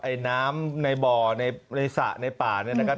น้ำในบ่อในสระในป่าเนี่ยนะครับ